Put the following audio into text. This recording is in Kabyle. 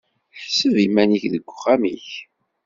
Ḥseb iman-ik deg uxxam-ik.